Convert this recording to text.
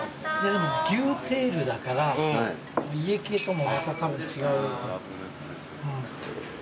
でも牛テールだから家系ともまたたぶん違う。